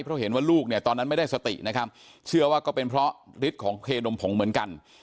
เพราะเห็นว่าลูกเนี่ยตอนนั้นไม่ได้สตินะครับเชื่อว่าก็เป็นเพราะฤทธิ์ของเคนมผงเหมือนกัน